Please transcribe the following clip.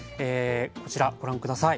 こちらご覧下さい。